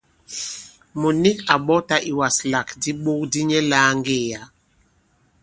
Mùt nik à ɓɔtā ìwaslàk di iɓok di nyɛ lāa ŋgê yǎ.